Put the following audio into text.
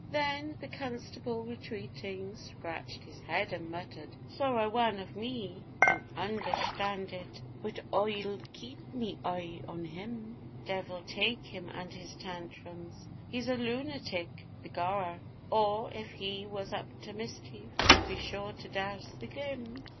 Then the constable, retreating, scratched his head and muttered 'Sorra Wan of me can undershtand it. But Oi'll keep me Oi on him, Divil take him and his tantrums; he's a lunatic, begorra! Or, if he was up to mischief, he'd be sure to douse the glim.